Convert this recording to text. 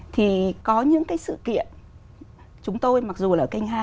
thì có những cái sự kiện chúng tôi mặc dù là ở kênh hai